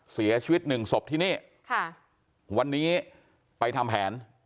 เสียชีวิตหนึ่งศพที่นี่ค่ะวันนี้ไปทำแผน